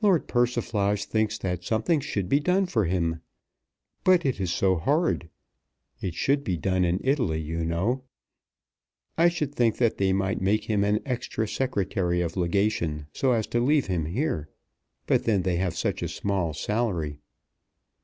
"Lord Persiflage thinks that something should be done for him. But it is so hard. It should be done in Italy, you know. I should think that they might make him extra Secretary of Legation, so as to leave him here. But then they have such a small salary!"